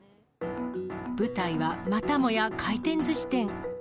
舞台はまたもや回転ずし店。